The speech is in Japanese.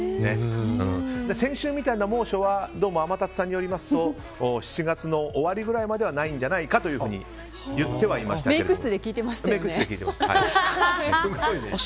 先週みたいな猛暑はどうも天達さんによりますと７月の終わりぐらいまではないんじゃないかとメイク室で聞いてましたね。